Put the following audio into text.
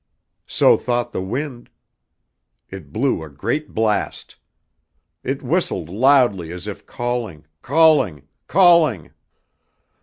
So thought the wind. It blew a great blast. It whistled loudly as if calling, calling, calling!